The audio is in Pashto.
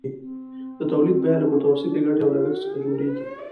د تولید بیه له متوسطې ګټې او لګښت څخه جوړېږي